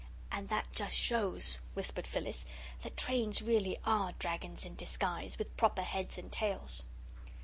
"And that just shows," whispered Phyllis, "that trains really ARE dragons in disguise, with proper heads and tails."